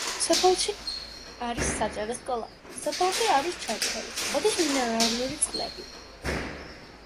სოფელში არის საჯარო სკოლა სოფელში არის ჩანჩქერი, მოდის მინერალური წყლები.